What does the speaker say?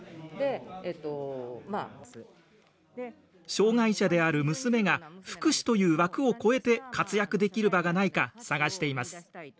障害者である娘が福祉という枠を超えて活躍できる場がないか探しています。